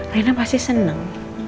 rina pasti seneng